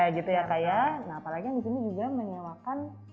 apalagi yang disini juga menyewakan